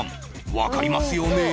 わかりますよね？